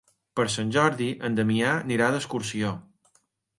Per Sant Jordi en Damià irà d'excursió.